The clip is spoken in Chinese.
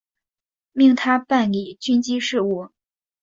命他办理军机事务。